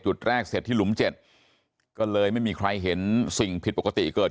แรกเสร็จที่หลุมเจ็ดก็เลยไม่มีใครเห็นสิ่งผิดปกติเกิด